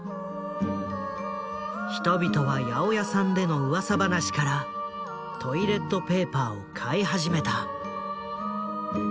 人々は八百屋さんでのうわさ話からトイレットペーパーを買い始めた。